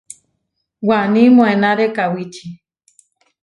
Waní moʼénare kawíči.